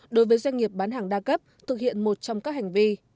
đối với doanh nghiệp bán hàng đa cấp thực hiện một trong các hành vi